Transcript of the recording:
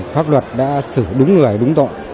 pháp luật đã xử đúng người đúng tội